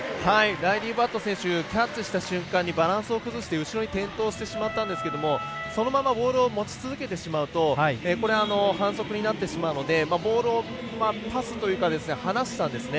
ライリー・バット選手キャッチした瞬間にバランスを崩して後ろに転倒してしまったんですけれどもそのままボールを持ち続けてしまうと反則になってしまうのでボールをパスというか離したんですね。